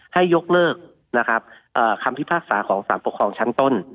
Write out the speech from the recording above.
ให้ยกเลิกนะครับคำพิพากษาของสารปกครองชั้นต้น